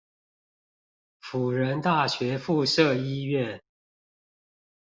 輔仁大學附設醫院